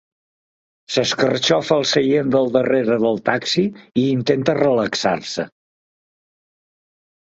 S'escarxofa al seient del darrere del taxi i intenta relaxar-se.